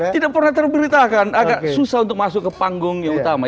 tidak pernah terberitakan agak susah untuk masuk ke panggung yang utama